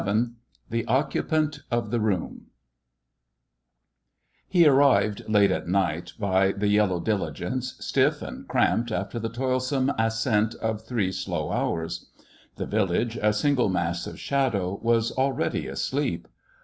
VII THE OCCUPANT OF THE ROOM He arrived late at night by the yellow diligence, stiff and cramped after the toilsome ascent of three slow hours. The village, a single mass of shadow, was already asleep.